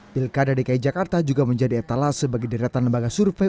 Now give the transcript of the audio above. pilkada dki jakarta juga menjadi etalase bagi deretan lembaga survei